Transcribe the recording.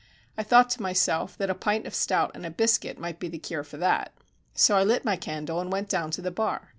I thought to myself that a pint of stout and a biscuit might be the cure for that. So I lit my candle and went down to the bar.